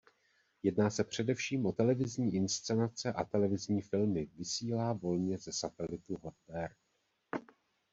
Jedná se především o televizní inscenace a televizní filmy. Vysílá volně ze satelitu Hot Bird.